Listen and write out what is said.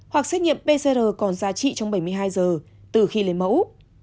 hoặc xét nghiệm pcr còn giá trị trong bảy mươi hai giờ từ khi lấy mẫu